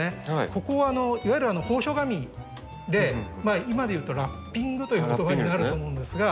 ここはいわゆる奉書紙で今で言うとラッピングという言葉になると思うんですが。